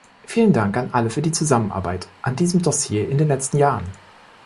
Vielen Dank an alle für die Zusammenarbeit an diesem Dossier in den letzten Jahren!